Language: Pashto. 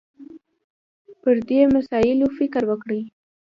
پر دې مسایلو فکر وکړي